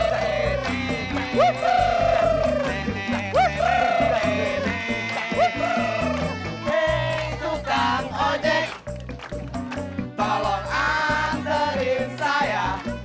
hei tutang ojek tolong anterin saya